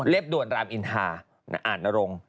เรียบด่วนรามอินทาอ่านรงค์